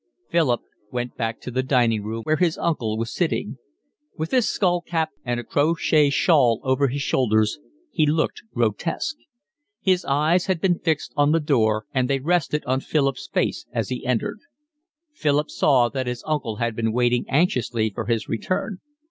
Philip went back to the dining room where his uncle was sitting. With his skull cap and a crochet shawl over his shoulders he looked grotesque. His eyes had been fixed on the door, and they rested on Philip's face as he entered. Philip saw that his uncle had been waiting anxiously for his return.